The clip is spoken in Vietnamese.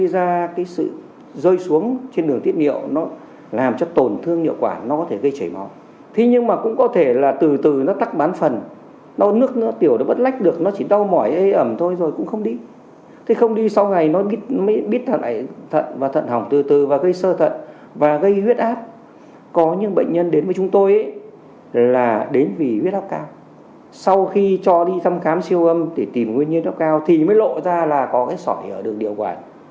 sau khi cho đi thăm khám siêu âm để tìm nguyên nhân tốc cao thì mới lộ ra là có cái sỏi ở đường điệu quản